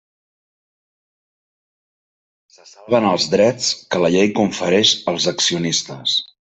Se salven els drets que la llei confereix als accionistes.